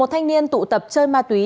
một mươi một thanh niên tụ tập chơi ma túy